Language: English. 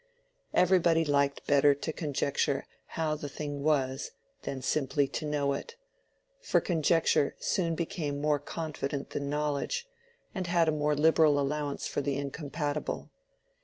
Everybody liked better to conjecture how the thing was, than simply to know it; for conjecture soon became more confident than knowledge, and had a more liberal allowance for the incompatible.